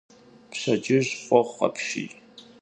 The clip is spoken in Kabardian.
Pşedcıj f'oxhu apşiy.